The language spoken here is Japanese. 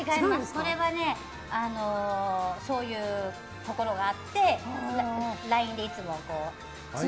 これは、そういうところがあってＬＩＮＥでいつも。